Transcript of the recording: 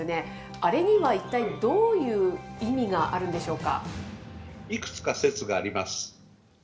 あれには一体どういう意味があるんでしょうか。